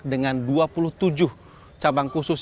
dengan dua puluh tujuh cabang khusus